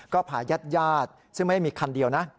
ก็พาญาติซึ่งไม่ได้มีคันเดียวนะ